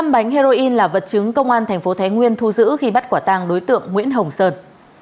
năm bánh heroin là vật chứng công an tp thái nguyên thu giữ khi bắt quả tàng đối tượng nguyễn hồng sơn